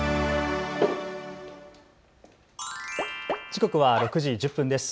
時刻は６時１０分です。